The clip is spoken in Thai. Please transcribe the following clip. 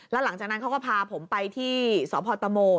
แล้วหลังจากนั้นเขาก็พาผมไปที่สพตโม